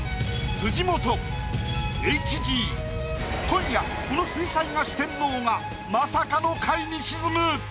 今夜この水彩画四天王がまさかの下位に沈む。